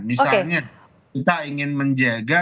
misalnya kita ingin menjaga